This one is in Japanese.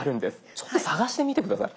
ちょっと探してみて下さい。